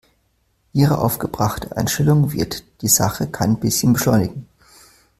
Ihre aufgebrachte Einstellung wird die Sache kein bisschen beschleunigen.